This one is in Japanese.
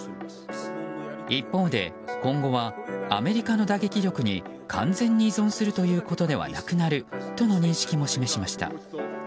一方で、今後はアメリカの打撃力に完全に依存するということではなくなるとの認識も示しました。